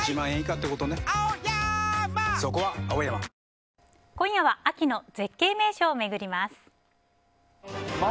ペイトク今夜は秋の絶景名所を巡ります。